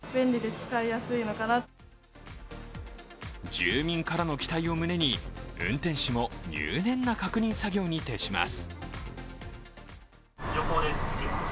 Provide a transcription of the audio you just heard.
住民からの期待を胸に、運転士も入念な確認作業に徹します。